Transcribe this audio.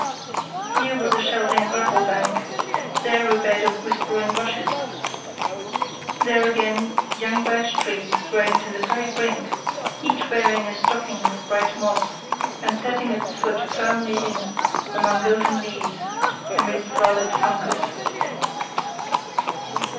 Here was a shelving gravel bank; there a bed of whispering rushes; there again young birch trees growing to the very brink, each wearing a stocking of bright moss and setting its foot firmly in among golden leaves and scarlet fungus.